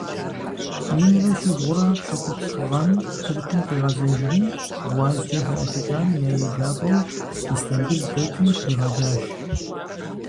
Минрэ щибгъурэ пщыкӀуплӀ гъэм Тыркум къигъэзэжри гъуазджэ хэӀэтыкӀахэм я еджапӀэу Истамбыл дэтым щригъэджащ.